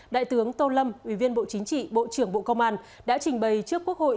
đại tướng tô lâm ủy viên bộ chính trị bộ trưởng bộ công an đã trình bày trước quốc hội